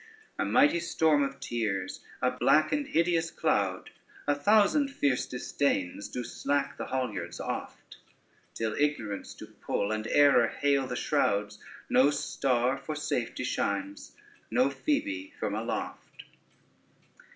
A mighty storm of tears, a black and hideous cloud, A thousand fierce disdains do slack the halyards oft; Till ignorance do pull, and error hale the shrouds, No star for safety shines, no Phoebe from aloft.